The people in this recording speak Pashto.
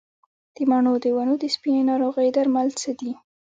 د مڼو د ونو د سپینې ناروغۍ درمل څه دي؟